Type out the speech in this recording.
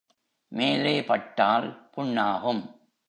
மேலே பட்டால் புண்ணாகும்.